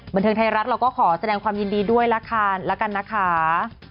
บันเทิงไทยรัฐเราก็ขอแสดงความยินดีด้วยละค่ะแล้วกันนะคะ